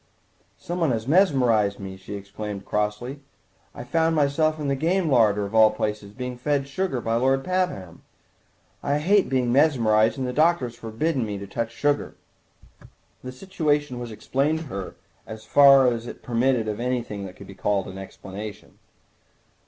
"Some one has mesmerised me," she exclaimed crossly; "I found myself in the game larder, of all places, being fed with sugar by Lord Pabham. I hate being mesmerised, and the doctor has forbidden me to touch sugar." The situation was explained to her, as far as it permitted of anything that could be called explanation.